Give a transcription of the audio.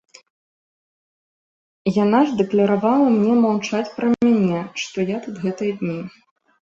Яна ж дакляравала мне маўчаць пра мяне, што я тут гэтыя дні.